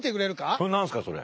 それ何ですかそれ。